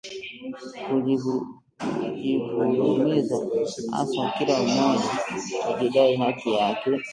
Kujivurumiza haswa, kila mmoja akidai haki yake